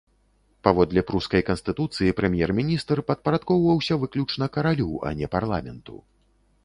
Паводле прускай канстытуцыі, прэм'ер-міністр падпарадкоўваўся выключна каралю, а не парламенту.